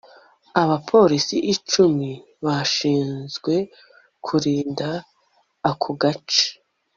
abapolisi icumi bashinzwe kurinda ako gace